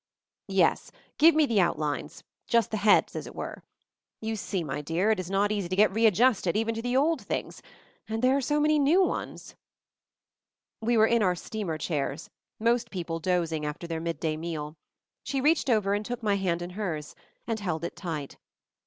"Yes. Give me the outlines — just the heads, as it were. You see, my dear, it is not easy to get readjusted even to the old things, and there are so many new ones " We were in our steamer chairs, most peo ple dozing after their midday meal. She reached over and took my hand in hers, and held it tight.